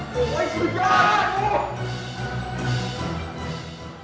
พูดไว้ชุดยาน